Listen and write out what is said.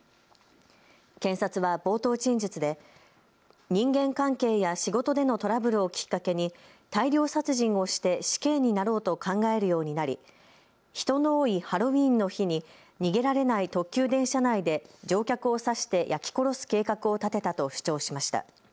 検察は冒頭陳述で人間関係や仕事でのトラブルをきっかけに大量殺人をして死刑になろうと考えるようになり人の多いハロウィーンの日に逃げられない特急電車内で乗客を刺して焼き殺す計画を立てたと主張しました。